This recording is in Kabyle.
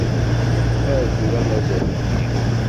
Ar tura mazal ufiɣ.